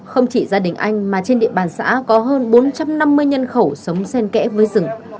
không chỉ gia đình anh mà trên địa bàn xã có hơn bốn trăm năm mươi nhân khẩu sống sen kẽ với rừng